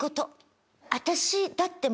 私だって。